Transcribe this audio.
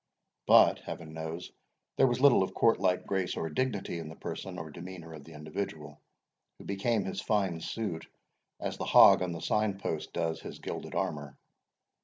But, Heaven knows, there was little of courtlike grace or dignity in the person or demeanour of the individual, who became his fine suit as the hog on the sign post does his gilded armour.